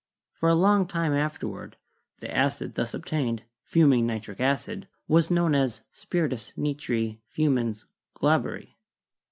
" For a long time afterward the acid thus obtained (fu ming nitric acid) was known as 'spiritus nitri fumans Glauberi.'